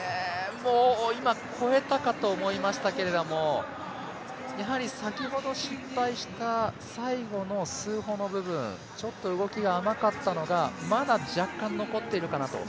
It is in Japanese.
もう今、越えたかと思いましたけども先ほど失敗した最後の数歩の部分動きが甘かったのがまだ若干残っているかなと。